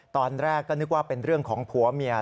ตอนแรกก็นึกว่าเป็นเรื่องของผัวเมีย